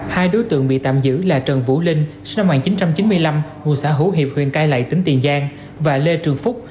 hai đối tượng bị tạm giữ là trần vũ linh sinh năm một nghìn chín trăm chín mươi năm ngụ xã hữu hiệp huyện cai lậy tỉnh tiền giang và lê trường phúc